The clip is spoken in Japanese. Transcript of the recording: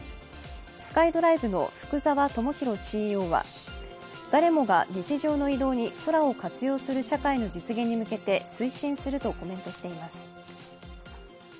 ＳｋｙＤｒｉｖｅの福澤知浩ＣＥＯは誰もが日常の移動に空を活用する社会の実現に向けて推進するとコメントしています。